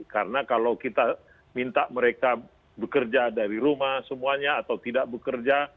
karena kalau kita minta mereka bekerja dari rumah semuanya atau tidak bekerja